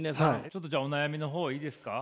ちょっとじゃあお悩みの方いいですか？